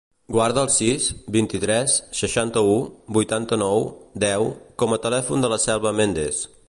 Guarda el sis, vint-i-tres, seixanta-u, vuitanta-nou, deu com a telèfon de la Selva Mendes.